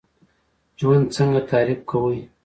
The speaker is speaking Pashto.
ژوند څنګه تعریف کوئ؟